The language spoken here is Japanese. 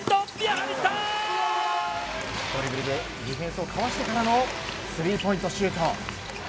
ドリブルでディフェンスをかわしてからのスリーポイントシュート。